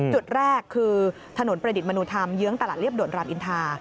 จุดแรกคือถนนประดิษฐ์มนุธรรมเยื้องตลาดเรียบด่วนรามอินทา